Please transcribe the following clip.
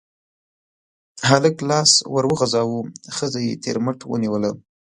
هلک لاس ور وغزاوه، ښځه يې تر مټ ونيوله.